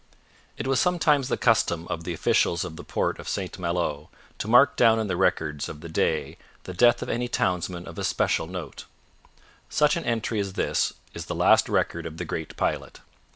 It was sometimes the custom of the officials of the port of St Malo to mark down in the records of the day the death of any townsman of especial note. Such an entry as this is the last record of the great pilot.